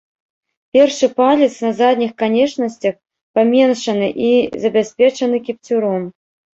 Першы палец на задніх канечнасцях паменшаны і забяспечаны кіпцюром.